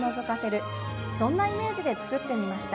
そんなイメージで作ってみました。